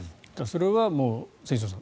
それは千正さん